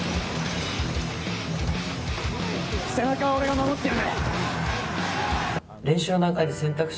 背中は俺が守ってやる！